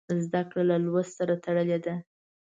زده کړه له لوست سره تړلې ده.